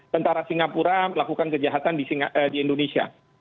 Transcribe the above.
tentara singapura melakukan kejahatan di indonesia